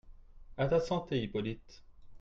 À ta santé, Hippolyte !